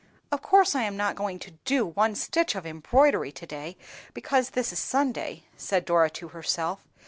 "Of course I am not going to do one stitch of my embroidery to day, because this is Sunday," said Dora to herself.